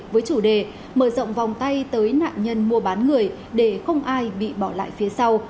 với chủ đề mở rộng vòng tay tới nạn nhân mua bán người để không ai bị bỏ lại phía sau